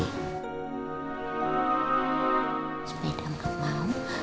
sepeda gak mau